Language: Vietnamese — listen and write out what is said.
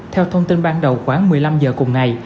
theo thông tin ban đầu khoảng một mươi năm giờ cùng ngày